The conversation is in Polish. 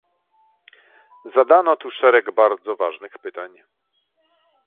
Zadano tu szereg bardzo ważnych pytań